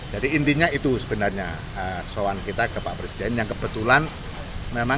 jadi intinya itu sebenarnya soalan kita ke pak presiden yang kebetulan memang kita minta waktu bersamaan